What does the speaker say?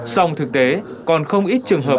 sông thực tế còn không ít trường hợp